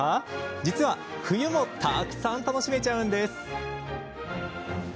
実は、冬もたくさん楽しめちゃうんです。